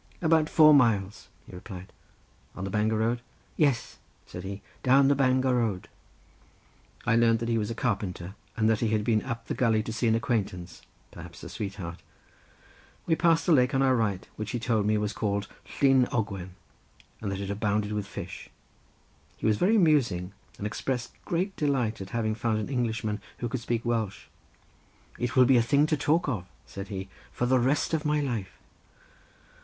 "About four miles," he replied. "On the Bangor road?" "Yes," said he; "down the Bangor road." I learned that he was a carpenter, and that he had been up the gully to see an acquaintance—perhaps a sweetheart. We passed a lake on our right which he told me was called Llyn Ogwen, and that it abounded with fish. He was very amusing and expressed great delight at having found an Englishman who could speak Welsh. "It will be a thing to talk of," said he, "for the rest of my life."